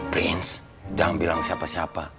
prince jangan bilang siapa siapa